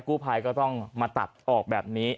กู้ภัยก็ต้องมาตัดออกแบบนี้